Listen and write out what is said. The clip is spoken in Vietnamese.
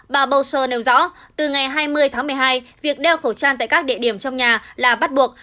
bà boser nêu rõ từ ngày hai mươi tháng một mươi hai việc đeo khẩu trang tại các địa điểm trong nhà là bắt buộc